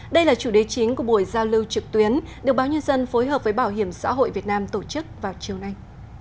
đây là chủ đề chính của buổi giao lưu trực tuyến được báo nhân dân phối hợp với bảo hiểm xã hội việt nam tổ chức vào chiều nay